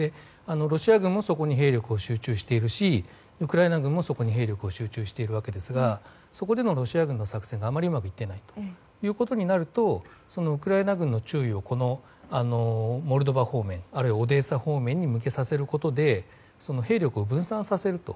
ロシア軍はそこに兵力を集中しているしウクライナ軍もそこに集中していますがそこでのロシア軍の作戦があまりうまくいっていないとなるとウクライナ軍の注意をモルドバ方面あるいはオデーサ方面に向けさせることで兵力を分散させると。